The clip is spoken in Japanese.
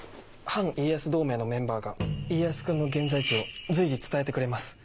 反家康同盟のメンバーが家康君の現在地を随時伝えてくれます。